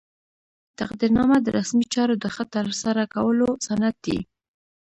تقدیرنامه د رسمي چارو د ښه ترسره کولو سند دی.